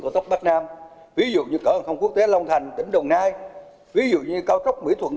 cao tốc bắc nam ví dụ như cỡ hàng không quốc tế long thành tỉnh đồng nai ví dụ như cao tốc mỹ thuận